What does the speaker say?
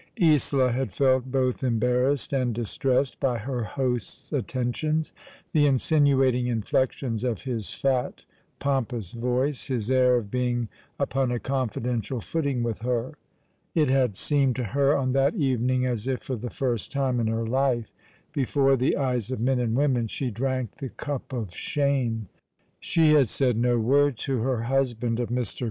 Isola had felt both embarrassed and distressed by her host's attentions — the insinuating inflections of his fat, pompous voice J his air of being upon a confidential footing with her. " Of the Weak my Heart is VVeakesty 125 It htiil seemecl to her on that evening as if for the first time in her life, before the eyes of men and women, she drank the cup of shame. She had said no word to her husband of ]\Ir.